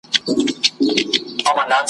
چا تر خولې را بادوله سپین ځګونه `